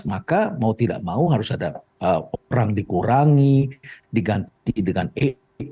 maka mau tidak mau harus ada orang dikurangi diganti dengan etik